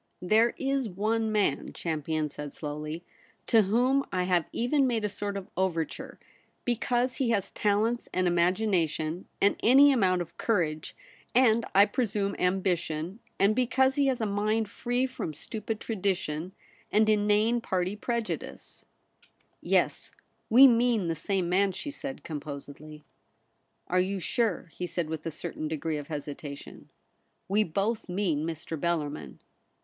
' There is one man,' Champion said slowly, ' to whom I have even made a sort of over ture, because he has talents and imagination and any amount of courage, and, I presume, ambition, and because he has a mind free from stupid tradition and inane party preju dice.' 64 THE REBEL ROSE. * Yes ; we mean the same man,' she said composedly. * Are you sure ?' he said, with a certain degree of hesitation. 'We both mean Mr. Bellarmln.'